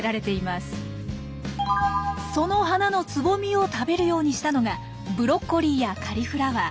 その花のつぼみを食べるようにしたのがブロッコリーやカリフラワー。